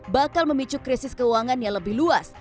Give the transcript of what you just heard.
bakal memicu krisis keuangan yang lebih luas